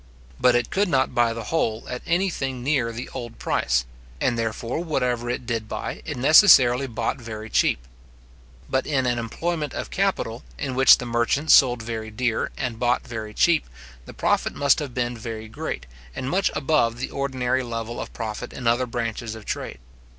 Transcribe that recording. But it could not buy the whole at any thing near the old price; and therefore, whatever it did buy, it necessarily bought very cheap. But in an employment of capital, in which the merchant sold very dear, and bought very cheap, the profit must have been very great, and much above the ordinary level of profit in other branches of trade.